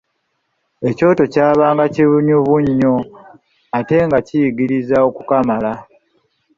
Ekyoto kyabanga kinyuvu nnyo ate nga kiyigiriza okukamala!